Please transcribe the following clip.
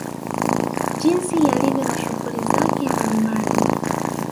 Jinsi yalivyo na shughuli zake mbali mbali